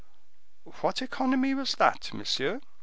"What economy was that, monsieur?"